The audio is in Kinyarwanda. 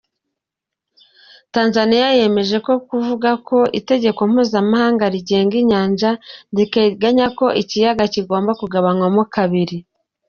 Tanzania yakomeje kuvuga ko itegeko mpuzamahanga rigenga inyanja, riteganya ko ikiyaga kigomba kugabanywamo kabiri.